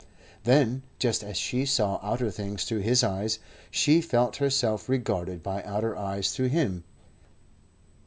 Then, just as she saw outer things through his eyes, she felt herself regarded by outer eyes through him.